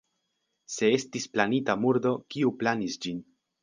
Se estis planita murdo, kiu planis ĝin?